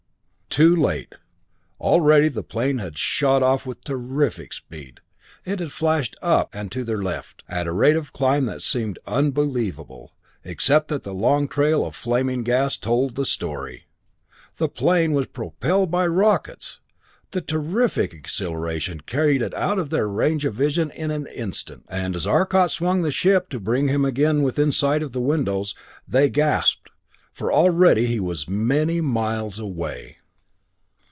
Too late. Already the plane had shot off with terrific speed. It had flashed up and to their left, at a rate of climb that seemed unbelievable except that the long trail of flaming gas told the story! The plane was propelled by rockets! The terrific acceleration carried it out of their range of vision in an instant, and as Arcot swung the ship to bring him again within sight of the windows, they gasped, for already he was many miles away.